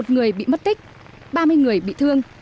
một người bị mất tích ba mươi người bị thương